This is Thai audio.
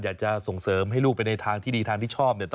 อยากจะส่งเสริมให้ลูกไปในทางที่ดีทางที่ชอบ